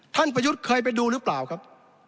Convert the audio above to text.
ประยุทธ์เคยไปดูหรือเปล่าครับ